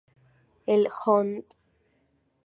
El Hon.